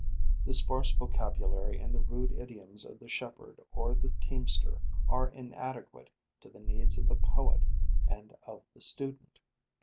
The sparse vocabulary and the rude idioms of the shepherd or the teamster are inadequate to the needs of the poet and of the student.